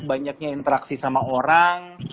banyaknya interaksi dengan orang